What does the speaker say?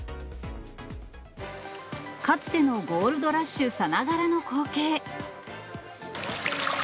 かつてのゴールドラッシュさながらの光景。